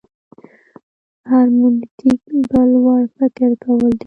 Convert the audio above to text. هرمنوتیک بل وړ فکر کول دي.